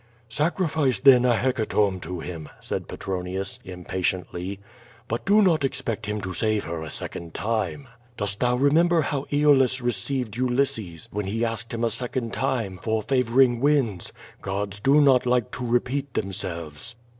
"Sacrifice then a hecatomb to Him," said Petronius, impa tiently, "but do not expect Him to save her a second time. Dost thou remember how Aeolus received Ulysses when he asked him a second time for favoring winds? Cods do not like to repeat themselves."